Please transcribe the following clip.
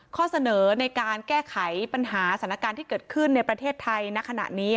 ข้อเสนอในการแก้ไขปัญหาสถานการณ์ที่เกิดขึ้นในประเทศไทยณขณะนี้